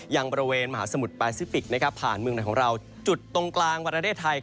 ยังบริเวณมหาสมุทรแปซิฟิกผ่านเมืองไหนของเราจุดตรงกลางประเทศไทย